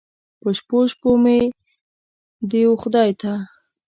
په شپو، شپو مې دې و خدای ته